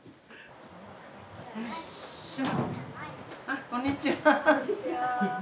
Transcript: あっこんにちは。